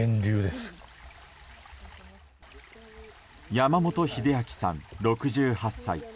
山本英明さん、６８歳。